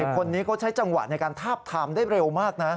คนนี้เขาใช้จังหวะในการทาบทามได้เร็วมากนะ